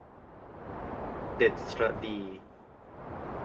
เด็ดสะระตี่